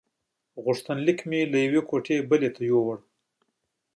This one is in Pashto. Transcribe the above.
غوښتنلیک مې له یوې کوټې بلې ته یووړ.